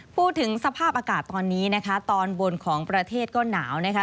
พูดถึงสภาพอากาศตอนนี้นะคะตอนบนของประเทศก็หนาวนะคะ